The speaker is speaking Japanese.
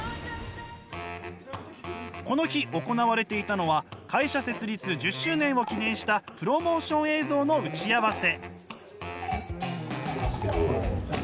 この日行われていたのは会社設立１０周年を記念したプロモーション映像の打ち合わせ。